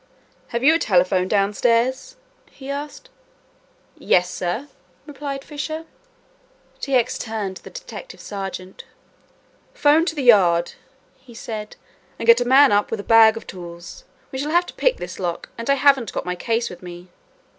"Have you a telephone downstairs!" he asked. "Yes, sir," replied Fisher. T. X. turned to the detective sergeant. "'Phone to the Yard," he said, "and get a man up with a bag of tools. We shall have to pick this lock and I haven't got my case with me."